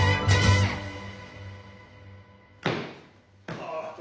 ああ。